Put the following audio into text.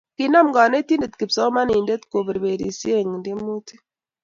kinam kanetindet kipsomanindet koberbersei eng tiemutik